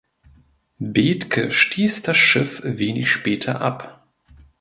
Bethke stieß das Schiff wenig später ab.